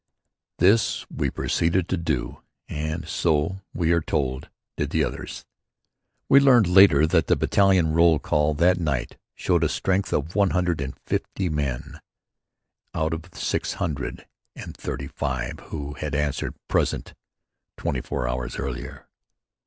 This we proceeded to do, and so, we are told, did the others. We learned later that the battalion roll call that night showed a strength of one hundred and fifty men out of the six hundred and thirty five who had answered "Present" twenty four hours earlier.